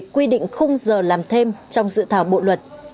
quy định khung giờ làm thêm trong dự thảo bộ luật